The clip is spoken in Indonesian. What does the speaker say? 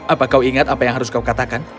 apa kau ingat apa yang harus kau katakan